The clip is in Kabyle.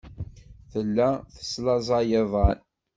Tella teslaẓay iḍan.